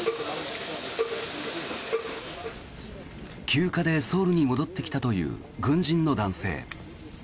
休暇でソウルに戻ってきたという軍人の男性。